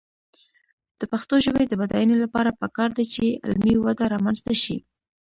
د پښتو ژبې د بډاینې لپاره پکار ده چې علمي وده رامنځته شي.